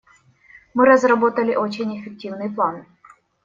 Мы разработали очень эффективный план.